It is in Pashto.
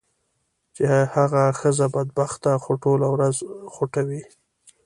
چې هغه ښځه بدبخته خو ټوله ورځ خوټوي.